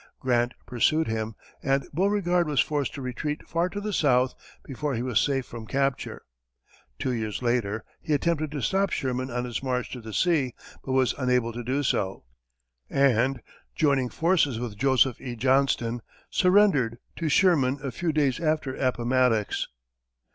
Grant pursued him, and Beauregard was forced to retreat far to the south before he was safe from capture. Two years later, he attempted to stop Sherman on his march to the sea, but was unable to do so, and, joining forces with Joseph E. Johnston, surrendered, to Sherman a few days after Appomattox.